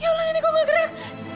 ya allah nini kok gak gerak